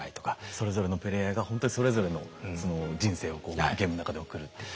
それぞれのプレイヤーがほんとにそれぞれのその人生をこうゲームの中で送るっていう。